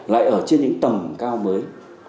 lại ở trên những tầm cao mới